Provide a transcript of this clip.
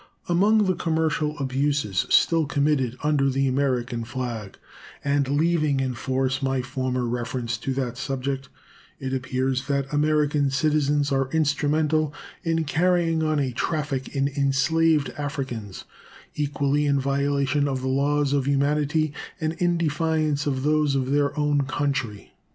Among the commercial abuses still committed under the American flag, and leaving in force my former reference to that subject, it appears that American citizens are instrumental in carrying on a traffic in enslaved Africans, equally in violation of the laws of humanity and in defiance of those of their own country.